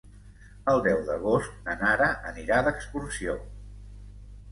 El deu d'agost na Nara anirà d'excursió.